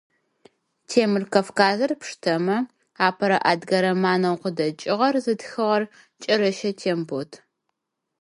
Темыр Кавказыр пштэмэ, апэрэ адыгэ романэу къыдэкӏыгъэр зытхыгъэр Кӏэрэщэ Тембот.